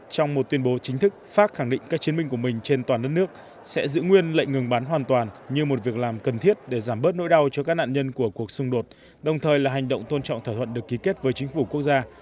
trong một tuyên bố chính thức pháp khẳng định các chiến binh của mình trên toàn đất nước sẽ giữ nguyên lệnh ngừng bắn hoàn toàn như một việc làm cần thiết để giảm bớt nỗi đau cho các nạn nhân của cuộc xung đột đồng thời là hành động tôn trọng thỏa thuận được ký kết với chính phủ quốc gia